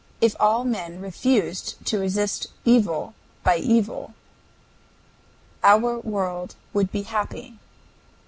If all men refused to resist evil by evil our world would be happy.